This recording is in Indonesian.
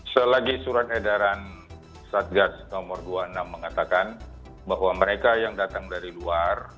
selagi surat edaran satgas nomor dua puluh enam mengatakan bahwa mereka yang datang dari luar